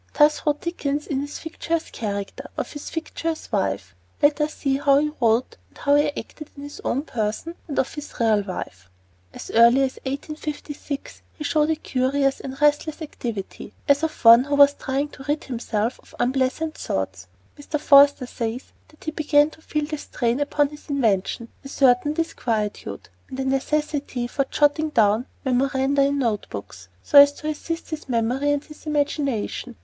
Thus wrote Dickens in his fictitious character, and of his fictitious wife. Let us see how he wrote and how he acted in his own person, and of his real wife. As early as 1856, he showed a curious and restless activity, as of one who was trying to rid himself of unpleasant thoughts. Mr. Forster says that he began to feel a strain upon his invention, a certain disquietude, and a necessity for jotting down memoranda in note books, so as to assist his memory and his imagination.